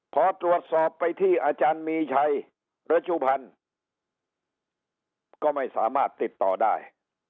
พอตรวจสอบไปที่อาจารย์มีชัยระชุพันธ์ก็ไม่สามารถติดต่อได้